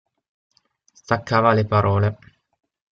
Staccava le parole.